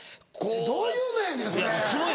どういうのやねんそれ！